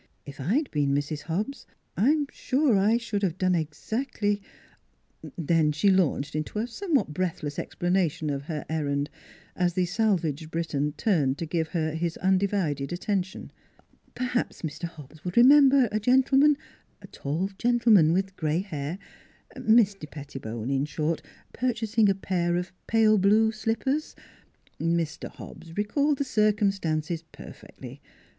If I had been Mrs. Hobbs I'm sure I should have done exactly " Then she launched into a somewhat breathless explanation of her errand, as the salvaged Briton turned to give her his undivided attention. Per haps Mr. Hobbs would remember a gentleman a tall gentleman with gray hair; Mr. Pettibone, in short, purchasing a pair of pale blue slip pers Mr. Hobbs recalled the circumstances per fectly.